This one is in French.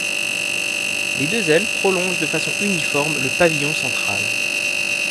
Les deux ailes prolongent de façon uniforme le pavillon central.